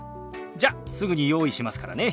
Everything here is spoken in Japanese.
じゃすぐに用意しますからね。